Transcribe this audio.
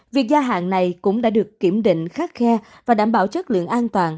việc gia hạn này cũng đã được kiểm định khắc khe và đảm bảo chất lượng an toàn